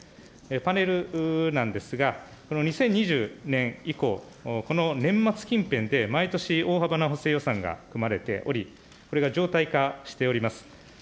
パネルなんですが、この２０２０年以降、この年末近辺で毎年大幅な補正予算が組まれており、これが常態化しております。